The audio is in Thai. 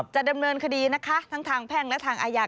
จะดำเนินคดีนะคะทั้งทางแพ่งและทางอาญา